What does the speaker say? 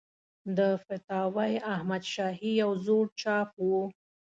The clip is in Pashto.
د فتاوی احمدشاهي یو زوړ چاپ و.